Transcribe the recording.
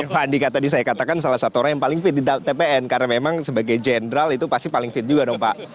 pak andika tadi saya katakan salah satu orang yang paling fit di tpn karena memang sebagai jenderal itu pasti paling fit juga dong pak